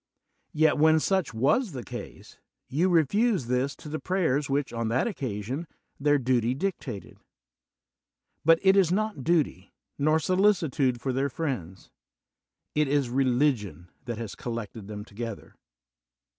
Yet, when such was the case, you refused this to the prayers which, on that occasion, their duty dic tated. But it is not duty, nor solicitude for their friends; it is religion tiiat has collected them together.